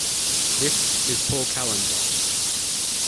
This is Paul Kallinger.